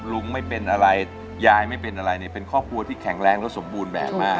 ลุงไม่เป็นอะไรยายไม่เป็นอะไรเนี่ยเป็นครอบครัวที่แข็งแรงและสมบูรณ์แบบมาก